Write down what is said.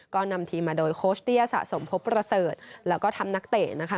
ก็นำทีมมาโดยโคชเตี้ยสะสมพบประเสริฐแล้วก็ทำนักเตะนะคะ